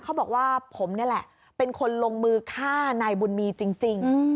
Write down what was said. เขาบอกว่าผมนี่แหละเป็นคนลงมือฆ่านายบุญมีจริง